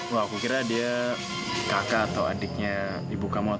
wah aku kira dia kakak atau adiknya ibu kamu